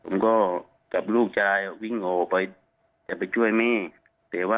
ผมก็กับลูกจายวิ่งออกไปจะไปช่วยแม่